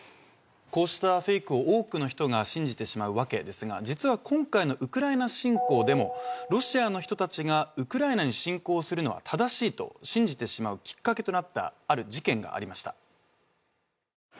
こうしたフェイクを多くの人が信じてしまうわけですが実は今回のウクライナ侵攻でもロシアの人たちがウクライナに侵攻するのは正しいと信じてしまうきっかけとなったある事件がありました